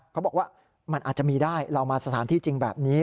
เขาบอกว่ามันอาจจะมีได้เรามาสถานที่จริงแบบนี้